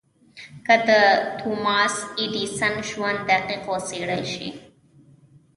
که د توماس ايډېسن ژوند دقيق وڅېړل شي.